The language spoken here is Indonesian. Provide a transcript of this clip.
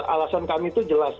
alasan kami itu jelas